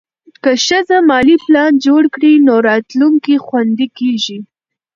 که ښځه مالي پلان جوړ کړي، نو راتلونکی خوندي کېږي.